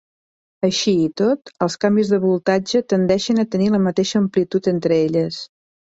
Així i tot, els canvis de voltatge tendeixen a tenir la mateixa amplitud entre elles.